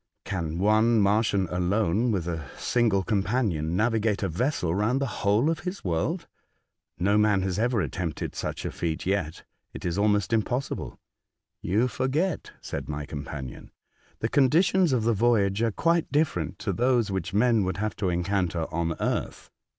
Can one Martian alone, with a smgle companion, navigate a vessel round the whole of his world ? No man has ever attempted such a feat yet. It is almost impossible." "You forget," said my companion, "the conditions of the voyage are quite different to those which men would have to encounter on earth.